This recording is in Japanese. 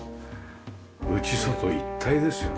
内外一体ですよね。